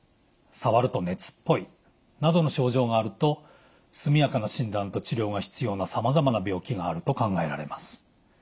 触ると熱っぽいなどの症状があると速やかな診断と治療が必要なさまざまな病気があると考えられます。